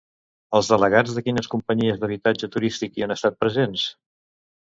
Els delegats de quines companyies d'habitatge turístic hi han estat presents?